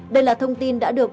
đây là thông tin đã được